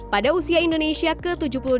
pada usia indonesia ke tujuh puluh delapan